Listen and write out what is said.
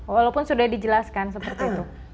walaupun sudah dijelaskan seperti itu